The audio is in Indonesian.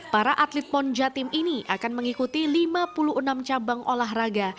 para atlet pon jatim ini akan mengikuti lima puluh enam cabang olahraga